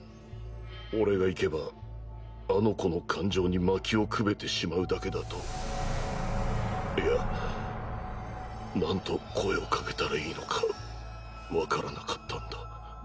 俺が行けばあの子の感情に薪をくべてしまうだけだといや何と声をかけたらいいのかわからなかったんだ。